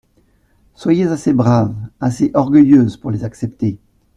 Soyez assez brave, assez orgueilleuse pour les accepter.